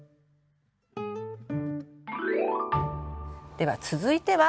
では続いては。